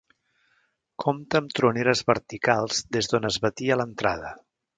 Compta amb troneres verticals des d'on es batia l'entrada.